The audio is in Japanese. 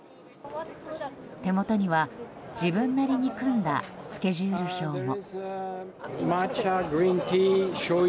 手元には、自分なりに組んだスケジュール表も。